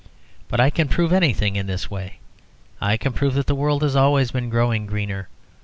But I can prove anything in this way. I can prove that the world has always been growing greener.